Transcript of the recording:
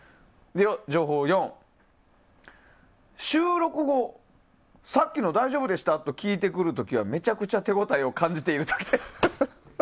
情報４、収録後さっきの大丈夫でした？と聞いてくる時はめちゃくちゃ手応えを感じている時です。